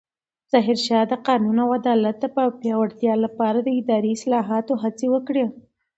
ظاهرشاه د قانون او عدالت د پیاوړتیا لپاره د اداري اصلاحاتو هڅې وکړې.